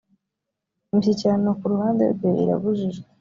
imishyikirano ku ruhande rwe irabujijwe.